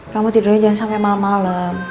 kamu tidurnya jangan sampe malem malem